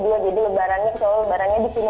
jadi lebarannya disini lagi